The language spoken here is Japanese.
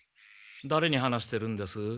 だれに話してるんです？